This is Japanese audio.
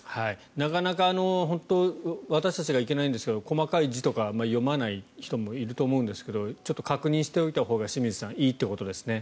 なかなか私たちがいけないんですけど細かい字とかあまり読まない人もいると思うんですがちょっと確認しておいたほうが清水さんいいということですね。